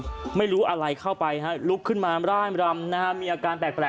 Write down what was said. คนหนึ่งไม่รู้อะไรเข้าไปลุกขึ้นมาร่ำมีอาการแปลก